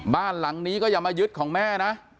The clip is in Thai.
บ้านหลังนี้ก็อย่ามายึดของแม่นะ